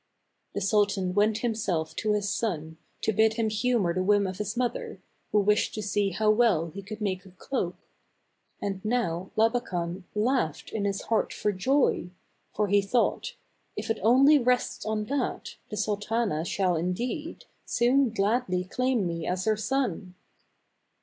The sultan went himself to his son, to bid him humor the whim of his mother, who wished to see how well he could make a cloak. And now Labakan laughed in his heart for joy; for, he thought, "If it only rests on that, the sultana shall, indeed, soon gladly claim me as her son."